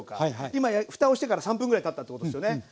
今ふたをしてから３分ぐらいたったってことですよね。